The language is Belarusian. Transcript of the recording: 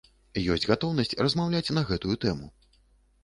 Ёсць гатоўнасць размаўляць на гэтую тэму.